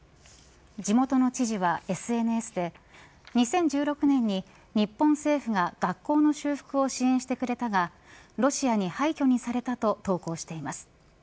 地元の知事はＳＮＳで２０１６年に日本政府が学校の修復を支援してくれたがロシアに廃虚にされたと投稿しています。